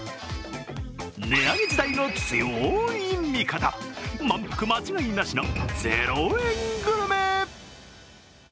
値上げ時代の強い味方、まんぷく間違いなしの０円グルメ！